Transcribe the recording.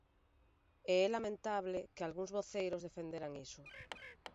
E é lamentable que algúns voceiros defenderan iso.